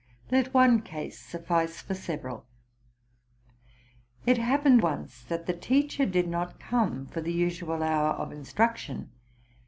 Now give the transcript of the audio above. Let one case suffice for several. It happened once that the teacher did not come for the usual hour of in struction.